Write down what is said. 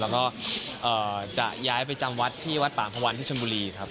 แล้วก็จะย้ายไปจำวัดที่วัดป่ามพวันที่ชนบุรีครับ